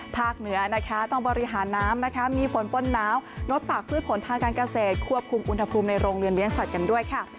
เหนือนะคะต้องบริหารน้ำนะคะมีฝนป้นหนาวลดตากพืชผลทางการเกษตรควบคุมอุณหภูมิในโรงเรือนเลี้ยสัตว์กันด้วยค่ะ